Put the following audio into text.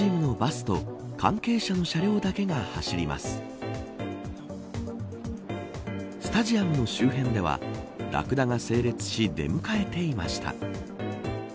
スタジアムの周辺ではラクダが整列し出迎えていました。